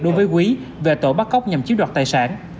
đối với quý về tội bắt cóc nhằm chiếm đoạt tài sản